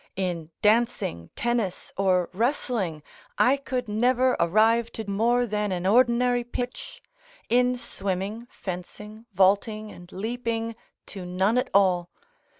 In dancing, tennis, or wrestling, I could never arrive to more than an ordinary pitch; in swimming, fencing, vaulting, and leaping, to none at all.